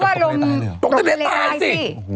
เพราะว่าตกทะเลตายสิ